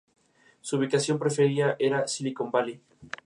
Habita en el noreste de Victoria y el sureste de Nueva Gales del Sur.